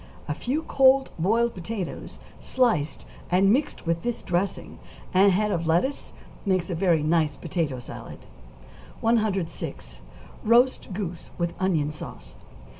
A few cold boiled potatoes sliced and mixed with this dressing, and a head of lettuce, makes a very nice potato salad. 106. =Roast Goose with Onion Sauce.